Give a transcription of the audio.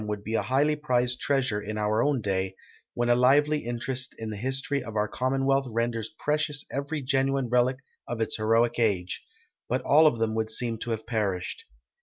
2G6 SPOTTSWOOD'S EXPEDITION OF 1716 be a highly prized treasure in our own day, when a lively interest in the history of our commonwealth renders precious every genuine relic of its heroic age; hut all of them would seem to have perished.